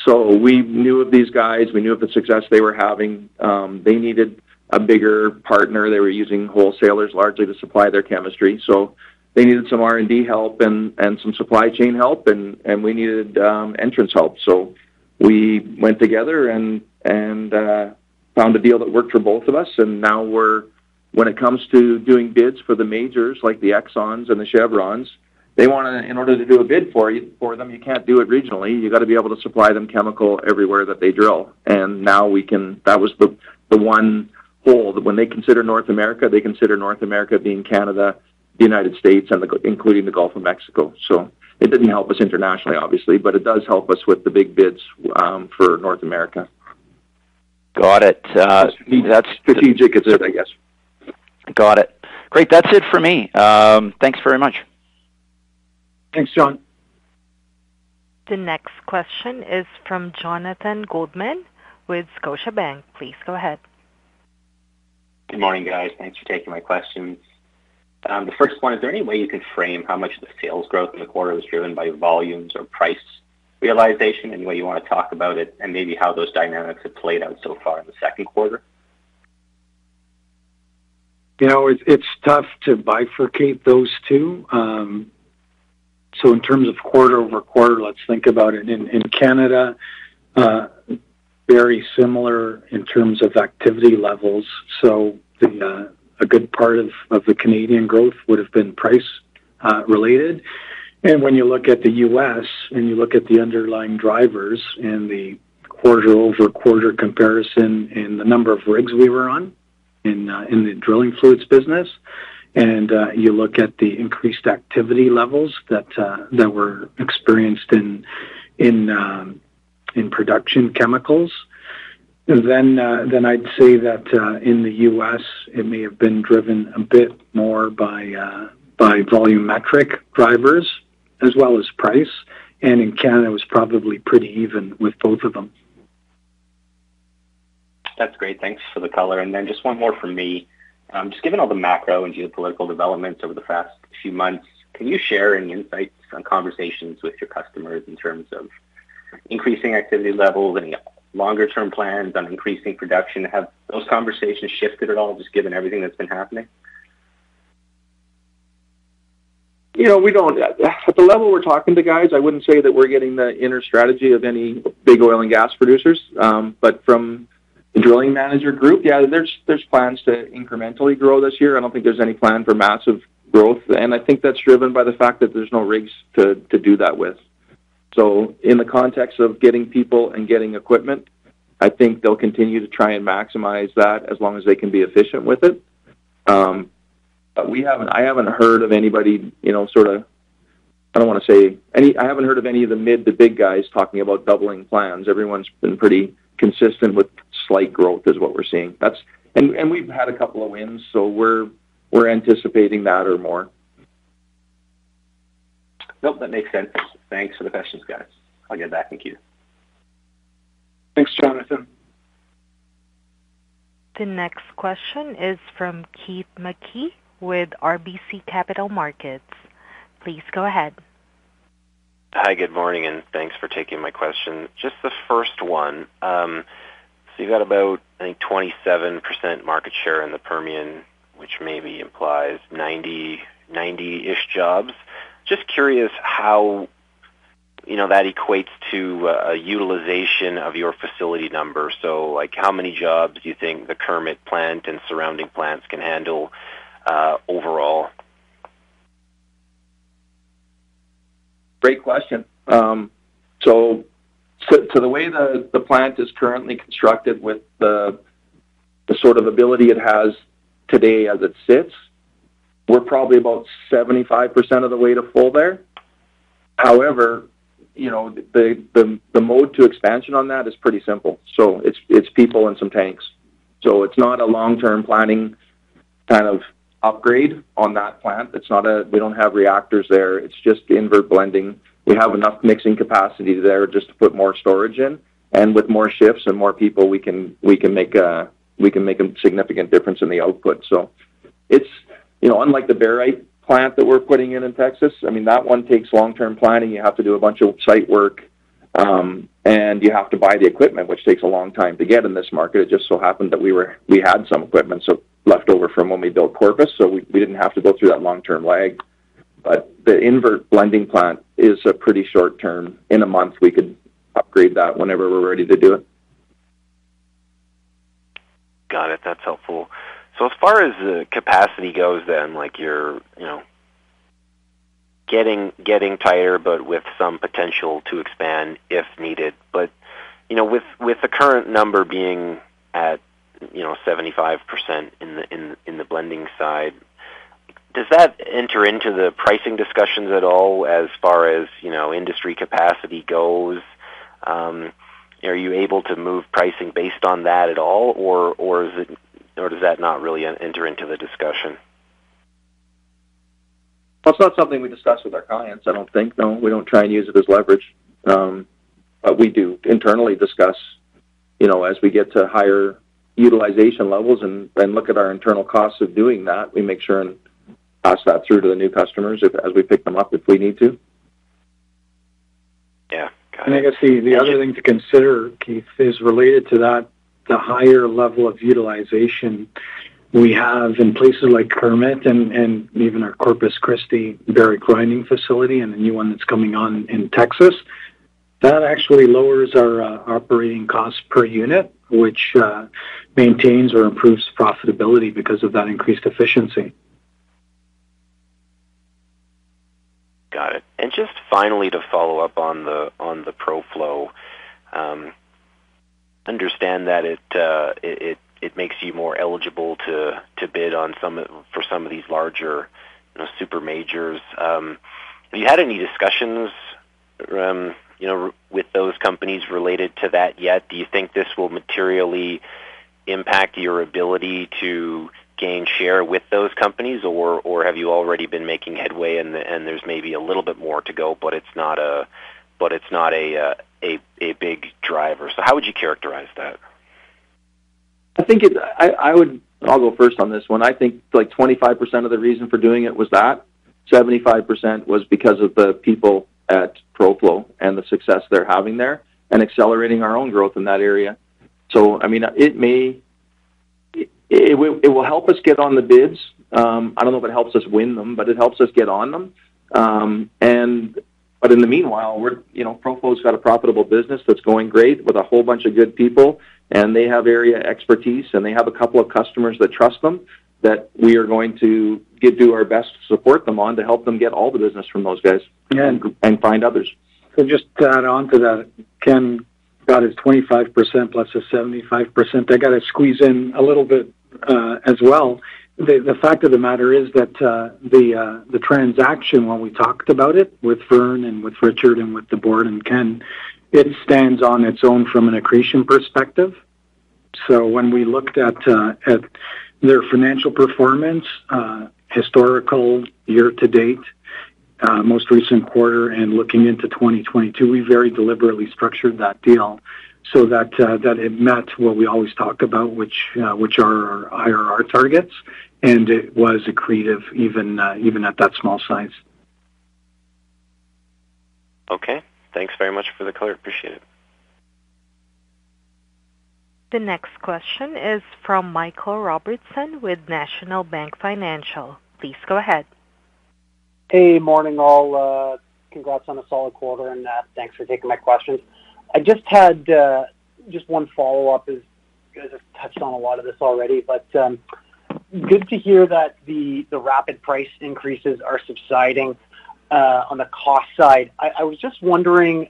We knew of these guys. We knew of the success they were having. They needed a bigger partner. They were using wholesalers largely to supply their chemistry, so they needed some R&D help and some supply chain help, and we needed entry help. We went together and found a deal that worked for both of us. Now when it comes to doing bids for the majors, like the Exxon and the Chevron, they wanna in order to do a bid for them, you can't do it regionally. You gotta be able to supply them chemicals everywhere that they drill. Now we can. That was the one hole. When they consider North America, they consider North America being Canada, the United States, and including the Gulf of Mexico. It didn't help us internationally, obviously, but it does help us with the big bids for North America. Got it. Strategic, is it? Got it. Great. That's it for me. Thanks very much. Thanks, John. The next question is from Jonathan Goldman with Scotiabank. Please go ahead. Good morning, guys. Thanks for taking my questions. The first one, is there any way you could frame how much of the sales growth in the quarter was driven by volumes or price realization? Any way you wanna talk about it, and maybe how those dynamics have played out so far in the second quarter? It's tough to bifurcate those two. In terms of quarter-over-quarter, let's think about it. In Canada, very similar in terms of activity levels. A good part of the Canadian growth would've been price related. When you look at the U.S., and you look at the underlying drivers and the quarter-over-quarter comparison in the number of rigs we were on in the drilling fluids business, and you look at the increased activity levels that were experienced in production chemicals, then I'd say that in the U.S., it may have been driven a bit more by volumetric drivers as well as price. In Canada, it was probably pretty even with both of them. That's great. Thanks for the color. Just one more from me. Just given all the macro and geopolitical developments over the past few months, can you share any insights on conversations with your customers in terms of increasing activity levels, any longer term plans on increasing production? Have those conversations shifted at all, just given everything that's been happening? At the level we're talking to guys, I wouldn't say that we're getting the inner strategy of any big oil and gas producers. From the drilling manager group, yeah, there's plans to incrementally grow this year. I don't think there's any plan for massive growth, and I think that's driven by the fact that there's no rigs to do that with. In the context of getting people and getting equipment, I think they'll continue to try and maximize that as long as they can be efficient with it. I haven't heard of anybody. I haven't heard of any of the mid to big guys talking about doubling plans. Everyone's been pretty consistent with slight growth is what we're seeing. We've had a couple of wins, so we're anticipating that or more. Nope, that makes sense. Thanks for the questions, guys. I'll get back. Thank you. Thanks, Jonathan. The next question is from Keith Mackey with RBC Capital Markets. Please go ahead. Hi, good morning, and thanks for taking my question. Just the first one, so you got about, I think, 27% market share in the Permian, which maybe implies 90-ish jobs. Just curious how that equates to a utilization of your facility numbers. Like, how many jobs do you think the Kermit plant and surrounding plants can handle, overall? Great question. The way the plant is currently constructed with the ability it has today as it sits, we're probably about 75% of the way to full there. However, the mode to expansion on that is pretty simple. It's people and some tanks. It's not a long-term planning upgrade on that plant. It's not. We don't have reactors there. It's just invert blending. We have enough mixing capacity there just to put more storage in. With more shifts and more people, we can make a significant difference in the output. It's unlike the barite plant that we're putting in in Texas, that one takes long-term planning. You have to do a bunch of site work, and you have to buy the equipment, which takes a long time to get in this market. It just so happened that we had some equipment so left over from when we built Corpus, so we didn't have to go through that long-term lag. The invert blending plant is a pretty short term. In a month, we could upgrade that whenever we're ready to do it. Got it. That's helpful. As far as the capacity goes then, like you're getting tighter, but with some potential to expand if needed. With the current number being at 75% in the blending side, does that enter into the pricing discussions at all as far as industry capacity goes? Are you able to move pricing based on that at all, or is it, or does that not really enter into the discussion? It's not something we discuss with our clients, I don't think. No, we don't try and use it as leverage. We do internally discuss as we get to higher utilization levels and look at our internal costs of doing that, we make sure and pass that through to the new customers as we pick them up if we need to. Yeah. Got it. The other thing to consider, Keith, is related to that, the higher level of utilization we have in places like Kermit and even our Corpus Christi barite grinding facility and the new one that's coming on in Texas, that actually lowers our operating cost per unit, which maintains or improves profitability because of that increased efficiency. Got it. Just finally to follow up on the Proflow, understand that it makes you more eligible to bid for some of these larger super majors. Have you had any discussions with those companies related to that yet? Do you think this will materially impact your ability to gain share with those companies? Or have you already been making headway and there's maybe a little bit more to go, but it's not a big driver. How would you characterize that? I'll go first on this one. I think like 25% of the reason for doing it was that. 75% was because of the people at Proflow and the success they're having there and accelerating our own growth in that area. It may. It will help us get on the bids. I don't know if it helps us win them, but it helps us get on them. In the meanwhile, we're Proflow's got a profitable business that's going great with a whole bunch of good people, and they have area expertise, and they have a couple of customers that trust them, that we are going to do our best to support them on to help them get all the business from those guys and find others. Just to add on to that, Ken got his 25% plus a 75%. I got to squeeze in a little bit, as well. The fact of the matter is that the transaction, when we talked about it with Vern and with Richard and with the board and Ken, it stands on its own from an accretion perspective. When we looked at their financial performance, historical year to date, most recent quarter and looking into 2022, we very deliberately structured that deal so that it met what we always talk about, which are our IRR targets, and it was accretive even at that small size. Okay. Thanks very much for the color. Appreciate it. The next question is from Michael Storry-Robertson with National Bank Financial. Please go ahead. Morning, all. Congrats on a solid quarter, and thanks for taking my questions. I just had just one follow-up as you guys have touched on a lot of this already. Good to hear that the rapid price increases are subsiding on the cost side. I was just wondering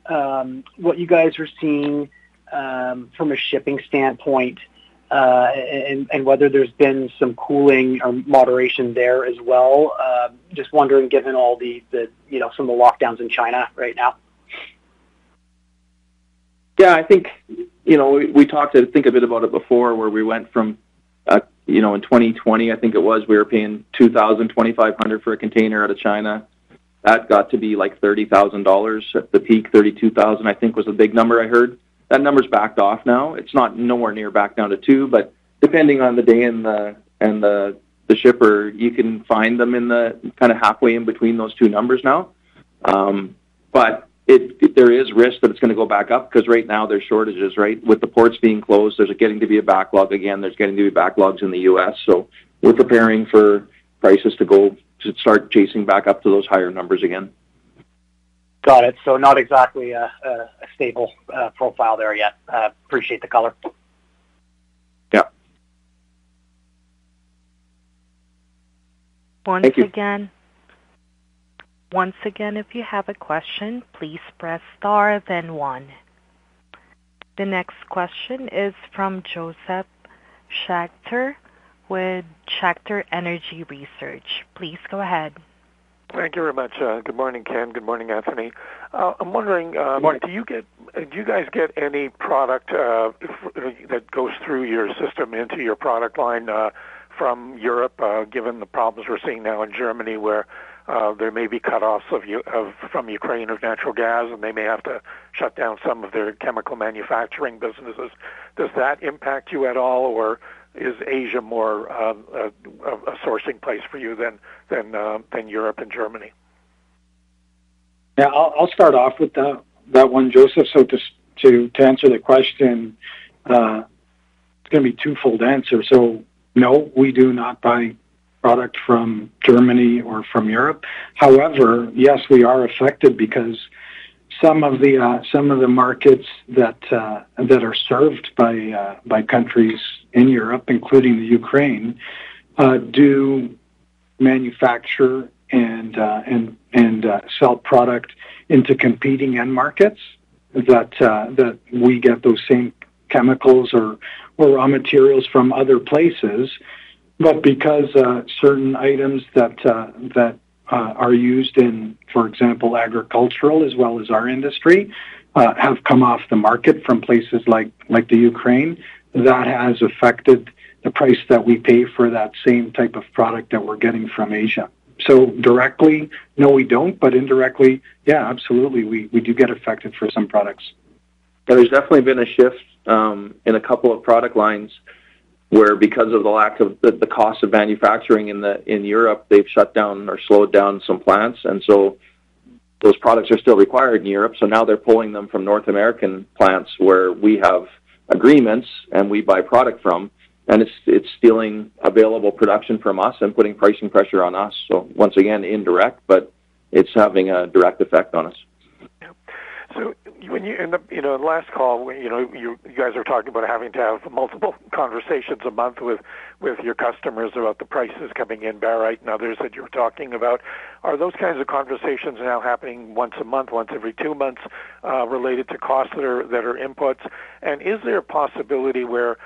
what you guys are seeing from a shipping standpoint, and whether there's been some cooling or moderation there as well. Just wondering, given some of the lockdowns in China right now. Yeah, I think we talked, I think, a bit about it before where we went from, in 2020, I think it was, we were paying 2,000, 2,500 for a container out of China. That got to be like $30,000 at the peak. $32,000, I think, was a big number I heard. That number's backed off now. It's not nowhere near back down to $2,000, but depending on the day and the shipper, you can find them in the halfway in between those two numbers now. But there is risk that it's gonna go back up because right now there's shortages. With the ports being closed, there's getting to be a backlog again. There's getting to be backlogs in the US. We're preparing for prices to go to start chasing back up to those higher numbers again. Got it. Not exactly a stable profile there yet. Appreciate the color. Yeah. Once again. Thank you. Once again, if you have a question, please press star then one. The next question is from Josef Schachter with Schachter Energy Research. Please go ahead. Thank you very much. Good morning, Ken. Good morning, Tony. I'm wondering. Morning. Do you guys get any product that goes through your system into your product line from Europe, given the problems we're seeing now in Germany where there may be cutoffs from Ukraine of natural gas, and they may have to shut down some of their chemical manufacturing businesses? Does that impact you at all, or is Asia more of a sourcing place for you than Europe and Germany? Yeah. I'll start off with that one, Josef. Just to answer the question, it's gonna be twofold answer. No, we do not buy product from Germany or from Europe. However, yes, we are affected because some of the markets that are served by countries in Europe, including the Ukraine, do manufacture and sell product into competing end markets that we get those same chemicals or raw materials from other places. Because certain items that are used in, for example, agricultural as well as our industry, have come off the market from places like the Ukraine, that has affected the price that we pay for that same type of product that we're getting from Asia. Directly, no, we don't. Indirectly, yeah, absolutely, we do get affected for some products. There's definitely been a shift in a couple of product lines where because of the lack of the cost of manufacturing in Europe, they've shut down or slowed down some plants. Those products are still required in Europe, so now they're pulling them from North American plants where we have agreements and we buy product from, and it's stealing available production from us and putting pricing pressure on us. Once again, indirect, but it's having a direct effect on us. Yeah. When you end up last call when you guys are talking about having to have multiple conversations a month with your customers about the prices coming in, barite and others that you were talking about, are those kinds of conversations now happening once a month, once every two months, related to costs that are inputs? Is there a possibility where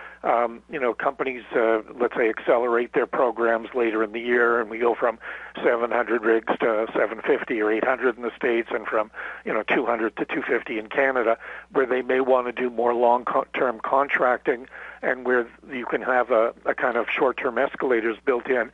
companies, let's say accelerate their programs later in the year and we go from 700 rigs to 750 or 800 in the States and from 200 to 250 in Canada, where they may wanna do more long-term contracting and where you can have a short-term escalators built in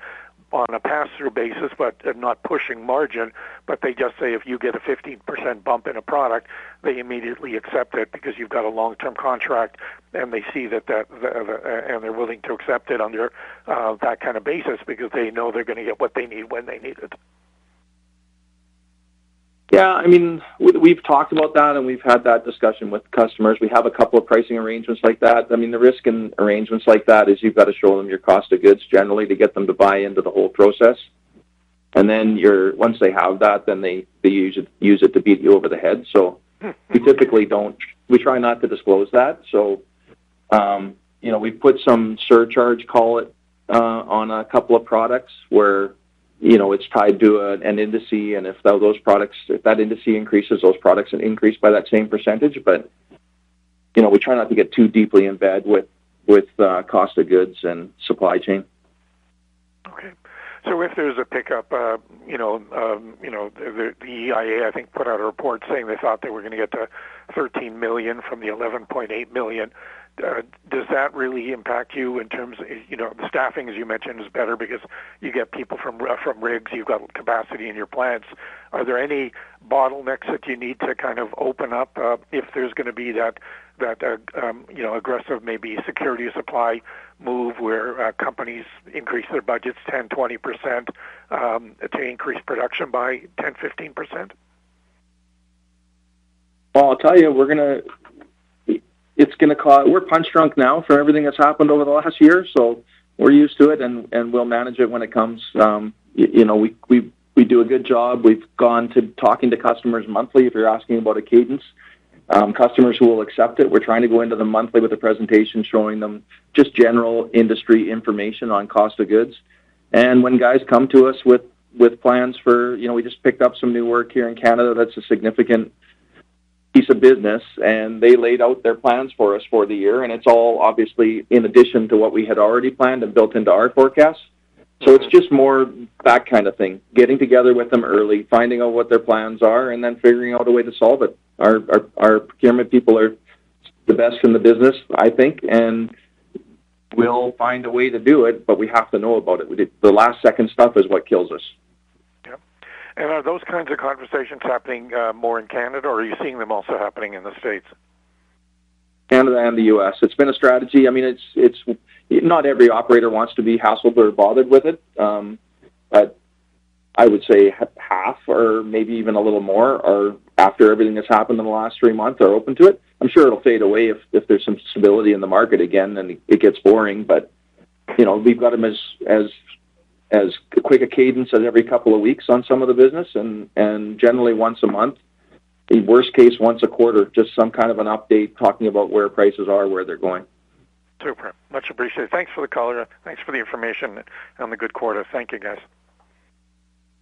on a pass-through basis, but not pushing margin, but they just say if you get a 15% bump in a product, they immediately accept it because you've got a long-term contract and they see that. They're willing to accept it under that basis because they know they're gonna get what they need when they need it. We've talked about that, and we've had that discussion with customers. We have a couple of pricing arrangements like that. The risk in arrangements like that is you've got to show them your cost of goods generally to get them to buy into the whole process. Then once they have that, they use it to beat you over the head. We typically don't. We try not to disclose that. We put some surcharge, call it, on a couple of products where it's tied to an index. If that index increases, those products increase by that same percentage. We try not to get too deeply in bed with cost of goods and supply chain. Okay. If there's a pickup the EIA, I think, put out a report saying they thought they were gonna get to 13 million from the 11.8 million. Does that really impact you in terms staffing, as you mentioned, is better because you get people from rigs, you've got capacity in your plants. Are there any bottlenecks that you need to open up, if there's gonna be that aggressive maybe securing supply move where, companies increase their budgets 10%-20%, to increase production by 10%-15%? I'll tell you, we're punch drunk now for everything that's happened over the last year, so we're used to it and we'll manage it when it comes. We do a good job. We've gone to talking to customers monthly, if you're asking about a cadence. Customers who will accept it. We're trying to go into them monthly with a presentation showing them just general industry information on cost of goods. When guys come to us with plans for. We just picked up some new work here in Canada that's a significant piece of business, and they laid out their plans for us for the year, and it's all obviously in addition to what we had already planned and built into our forecast. It's just more that kind of thing, getting together with them early, finding out what their plans are, and then figuring out a way to solve it. Our procurement people are the best in the business, I think, and we'll find a way to do it, but we have to know about it. The last second stuff is what kills us. Yeah. Are those kinds of conversations happening more in Canada, or are you seeing them also happening in the States? Canada and the US. It's been a strategy. It's not every operator wants to be hassled or bothered with it. I would say half or maybe even a little more are after everything that's happened in the last three months are open to it. I'm sure it'll fade away if there's some stability in the market again, then it gets boring. We've got them as quick a cadence as every couple of weeks on some of the business and generally once a month. The worst case, once a quarter, just some kind of an update talking about where prices are, where they're going. Super. Much appreciated. Thanks for the call. Thanks for the information and the good quarter. Thank you, guys.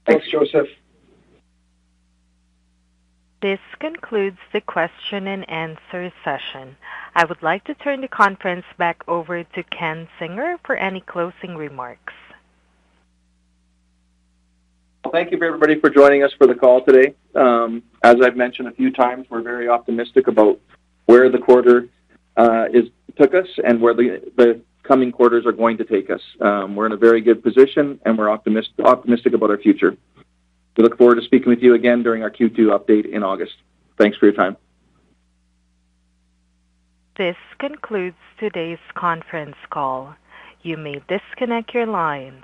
Thanks, Josef. This concludes the question and answer session. I would like to turn the conference back over to Ken Zinger for any closing remarks. Thank you, everybody, for joining us for the call today. As I've mentioned a few times, we're very optimistic about where the quarter took us and where the coming quarters are going to take us. We're in a very good position, and we're optimistic about our future. We look forward to speaking with you again during our Q2 update in August. Thanks for your time. This concludes today's conference call. You may disconnect your lines.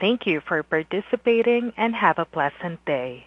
Thank you for participating, and have a pleasant day.